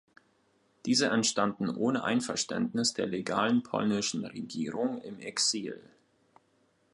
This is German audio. Diese entstanden ohne Einverständnis der legalen polnischen Regierung im Exil.